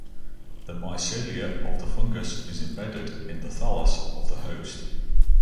The mycelia of the fungus is embedded in the thallus of the host.